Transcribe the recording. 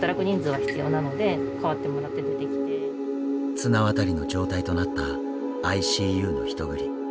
綱渡りの状態となったＩＣＵの人繰り。